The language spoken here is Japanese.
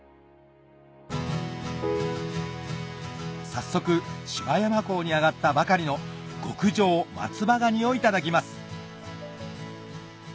早速柴山港に揚がったばかりの極上松葉ガニをいただきます